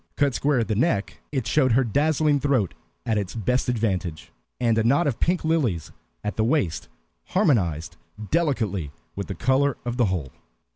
Cut square at the neck, it showed her dazzling throat at its best advantage, and a knot of pink lilies at the waist harmonized delicately with the color of the whole.